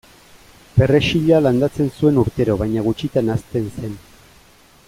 Perrexila landatzen zuen urtero baina gutxitan hazten zen.